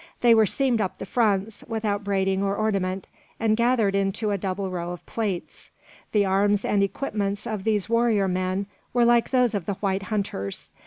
They were seamed up the fronts, without braiding or ornament, and gathered into a double row of plaits. The arms and equipments of these warrior men were like those of the white hunters.